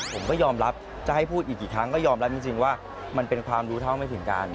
ผมก็ยอมรับจะให้พูดอีกกี่ครั้งก็ยอมรับจริงว่ามันเป็นความรู้เท่าไม่ถึงการ